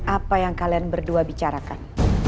apa yang kalian berdua bicarakan